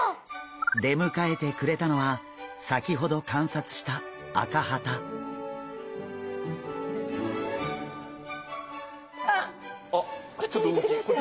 でむかえてくれたのは先ほど観察したあっこっち向いてくれましたよ。